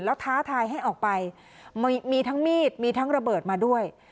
แล้วท้าทายให้ออกไปมีทั้งมีดมีทั้งระเบิดมาด้วย